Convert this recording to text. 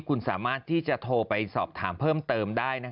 คุณสามารถที่จะโทรไปสอบถามเพิ่มเติมได้